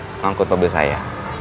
mengangkut mobil saya